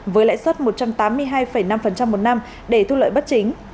với lãi suất một trăm tám mươi hai năm một năm để thu lợi bất chính